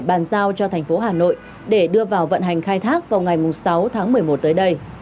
bộ giao thông vận tải bàn giao cho thành phố hà nội để đưa vào vận hành khai thác vào ngày sáu tháng một mươi một tới đây